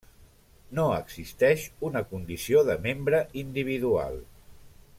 No existeix una condició de membre individual.